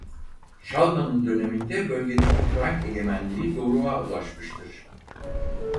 Şarlman'ın döneminde bölgedeki Frank egemenliği doruğa ulaşmıştır.